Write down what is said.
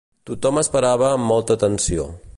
Tothom esperava amb molta atenció.